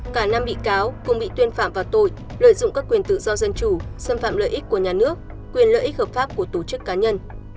cả năm bị cáo cùng bị tuyên phạm vào tội lợi dụng các quyền tự do dân chủ xâm phạm lợi ích của nhà nước quyền lợi ích hợp pháp của tổ chức cá nhân